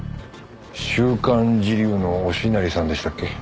『週刊時流』の忍成さんでしたっけ？